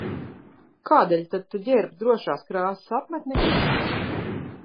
Kādēļ tad tu ģērb drošās krāsas apmetni?